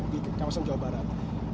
di kawasan jawa barat